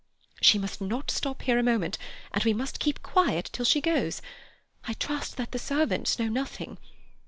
"She must not stop here a moment, and we must keep quiet till she goes. I trust that the servants know nothing.